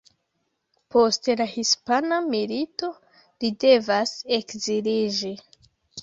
Post la hispana milito, li devas ekziliĝi.